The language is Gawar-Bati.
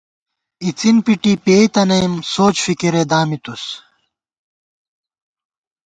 اِڅِن پِٹی پېئ تنَئیم، سوچ فِکِرے دامِتُوس